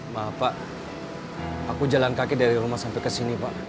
maaf pak aku jalan kaki dari rumah sampai ke sini pak